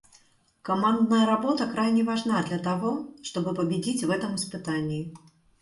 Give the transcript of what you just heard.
Командная работа крайне важна для того, чтобы победить в этом испытании.